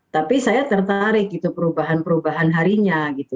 tapi saya tertarik gitu perubahan perubahan harinya gitu